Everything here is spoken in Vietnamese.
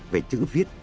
về chữ viết